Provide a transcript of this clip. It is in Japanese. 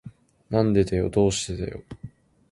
なんでだよ。どうしてだよ。